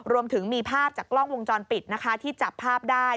รวมถึงมีภาพจากกล้องวงจรปิดนะคะที่จับภาพได้